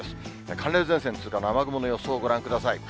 寒冷前線通過後の雨雲の予想をご覧ください。